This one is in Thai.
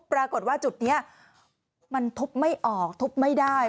ปรากฏว่าจุดนี้มันทุบไม่ออกทุบไม่ได้